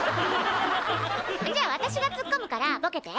じゃ私がツッコむからボケて。